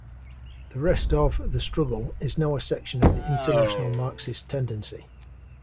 The rest of The Struggle is now a section of the International Marxist Tendency.